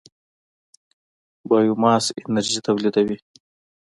بایوماس انرژي تولیدوي.